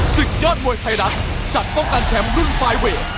ศึกยอดมวยไทยรัฐจัดป้องกันแชมป์รุ่นไฟล์เวท